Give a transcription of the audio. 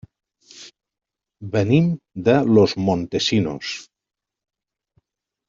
Venim de Los Montesinos.